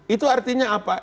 itu artinya apa